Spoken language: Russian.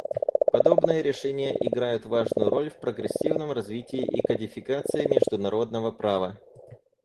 Подобные решения играют важную роль в прогрессивном развитии и кодификации международного права.